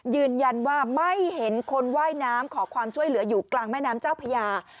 ยืนยันว่าไม่เห็นคนว่ายน้ำขอความช่วยเหลืออยู่กลางแม่น้ำเจ้าพญา